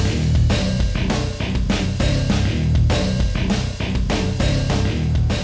ian ian ian dikeroyokin sama rio